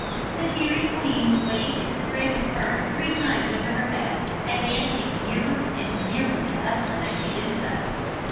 The fairy queen waved a sprig of fern three times over her head, advancing nearer and nearer to Evelyn as she did so.